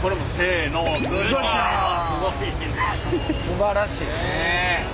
すばらしい。